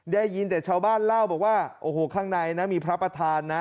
ได้ยินแต่ชาวบ้านเล่าบอกว่าโอ้โหข้างในนะมีพระประธานนะ